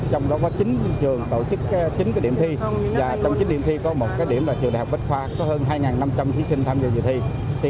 trong đó có chín trường tổ chức chín điểm thi và trong chín điểm thi có một điểm là trường đại học bách khoa có hơn hai năm trăm linh thí sinh tham dự dự thi